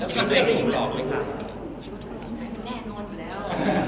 คิดว่าต้องการแน่นอนหมดแล้ว